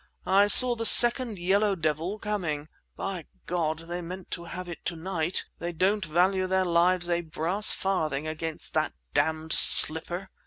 —I saw the second yellow devil coming. By God! They meant to have it to night! They don't value their lives a brass farthing against that damned slipper!"